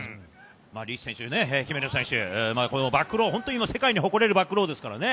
リーチ選手、姫野選手、このバックローの本当に今、世界に誇れるバックローですからね。